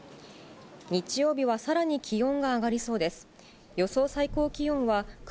日曜日はさらに気温が上がりそうです。